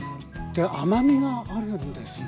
で甘みがあるんですね。